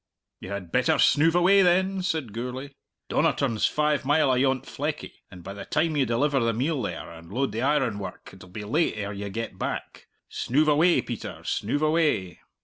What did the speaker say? "You had better snoove away then," said Gourlay. "Donnerton's five mile ayont Fleckie, and by the time you deliver the meal there, and load the ironwork, it'll be late ere you get back. Snoove away, Peter; snoove away!"